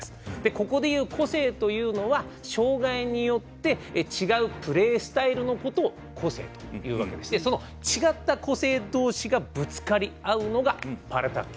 ここでいう個性というのは障がいによって違うプレースタイルのことを個性というわけでしてその違った個性どうしがぶつかり合うのがパラ卓球。